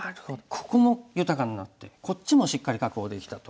ここも豊かになってこっちもしっかり確保できたと。